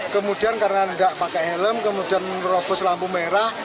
kemudian karena tidak pakai helm kemudian merobos lampu merah